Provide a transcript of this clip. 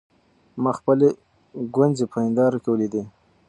ما خپلې ګونځې په هېنداره کې وليدې.